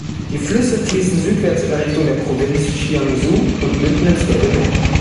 Die Flüsse fließen südwärts in Richtung der Provinz Jiangsu und münden ins Gelbe Meer.